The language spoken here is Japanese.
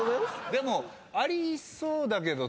でもありそうだけど。